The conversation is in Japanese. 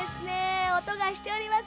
おとがしております